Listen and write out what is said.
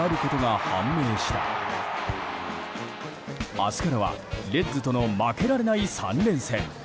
明日からはレッズとの負けられない３連戦。